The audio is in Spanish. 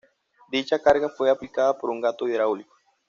Dicha carga fue aplicada por un gato hidráulico.